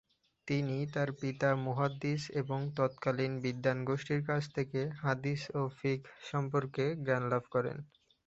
তিনি তার পিতা, মুহাদ্দিস এবং তৎকালীন বিদ্বান গোষ্ঠীর কাছ থেকে হাদিস ও ফিকাহ সম্পর্কে জ্ঞান লাভ করেন।